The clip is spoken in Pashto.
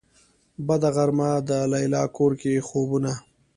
بده غرمه ده ليلا کور کوي خوبونه